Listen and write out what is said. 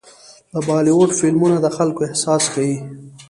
د بالیووډ فلمونه د خلکو احساس ښيي.